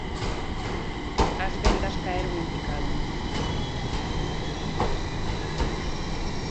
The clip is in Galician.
As vendas caeron en picado.